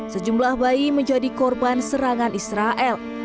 sejumlah bayi menjadi korban serangan israel